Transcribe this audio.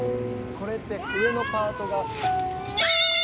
これって上のパートが。